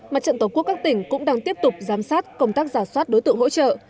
mặt trận tổ quốc các tỉnh cũng đang tiếp tục giám sát công tác giả soát đối tượng hỗ trợ